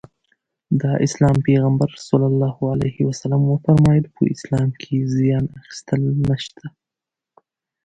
د اسلام پيغمبر ص وفرمايل په اسلام کې زيان اخيستل نشته.